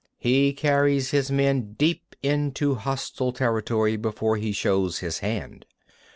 He carries his men deep into hostile territory before he shows his hand.